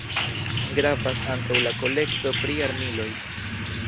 Gravas ankaŭ la kolekto pri armiloj.